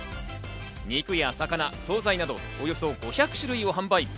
肉や魚、惣菜など、およそ５００種類を販売。